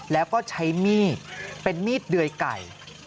แล้วก็ใช้มีดเป็นมีดเดยไก่